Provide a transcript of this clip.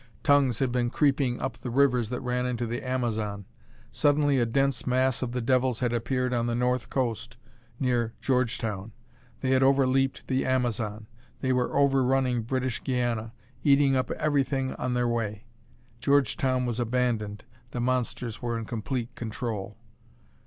Tongues had been creeping up the rivers that ran into the Amazon. Suddenly a dense mass of the devils had appeared on the north coast, near Georgetown. They had overleaped the Amazon; they were overrunning British Guiana, eating up everything on their way. Georgetown was abandoned; the monsters were in complete control.